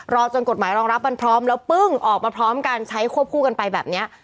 จนกฎหมายรองรับมันพร้อมแล้วปึ้งออกมาพร้อมกันใช้ควบคู่กันไปแบบนี้